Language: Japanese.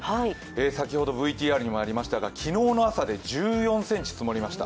先ほどＶＴＲにもありましたが昨日の朝で１９ｃｍ積もりました。